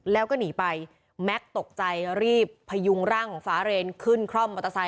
แล้วก็หนีไปแม็กซ์ตกใจรีบพยุงร่างของฟ้าเรนขึ้นคร่อมมอเตอร์ไซค